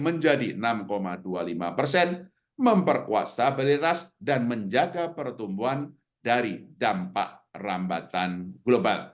menjadi enam dua puluh lima persen memperkuat stabilitas dan menjaga pertumbuhan dari dampak rambatan global